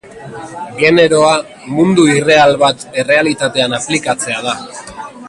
Generoa mundu irreal bat errealitatean aplikatzea da.